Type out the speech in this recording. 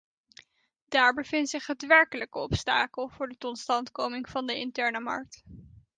Daar bevindt zich het werkelijke obstakel voor de totstandkoming van de interne markt.